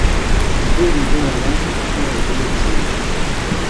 Goon barara ta ra goo tie.